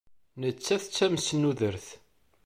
Nettat d tamesnudert.